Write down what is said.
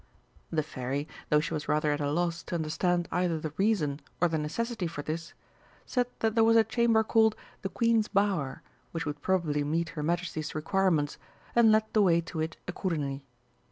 The Fairy, though she was rather at a loss to understand either the reason or the necessity for this, said that there was a chamber called "The Queen's Bower" which would probably meet Her Majesty's requirements, and led the way to it accordingly.